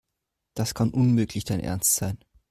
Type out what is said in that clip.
Das kann unmöglich dein Ernst sein.